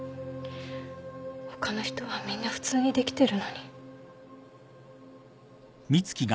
他の人はみんな普通にできてるのに。